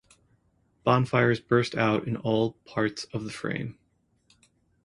Bonfires burst out in all in parts of the frame.